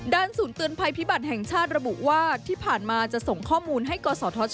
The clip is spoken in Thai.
ศูนย์เตือนภัยพิบัติแห่งชาติระบุว่าที่ผ่านมาจะส่งข้อมูลให้กศธช